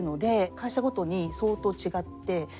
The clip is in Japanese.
会社ごとに相当違ってＣＥＯ